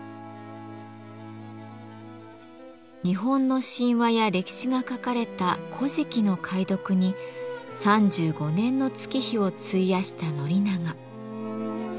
日本の神話や歴史が書かれた「古事記」の解読に３５年の月日を費やした宣長。